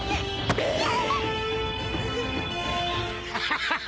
ウハハハ！